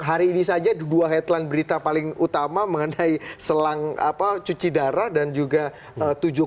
hari ini saja dua headline berita paling utama mengenai selang cuci darah dan juga tujuh hari